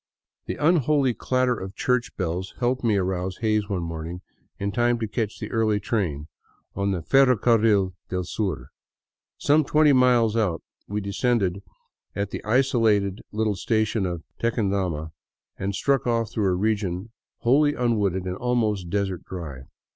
The unholy clatter of church bells helped me arouse Hays one morning in time to catch the early train on the *' Ferrocarril del Sur." Some twenty miles out we descended at the isolated little station of Tequendama and struck off through a region wholly unwooded and almost desert dry.